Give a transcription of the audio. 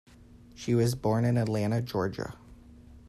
She was born in Atlanta, Georgia.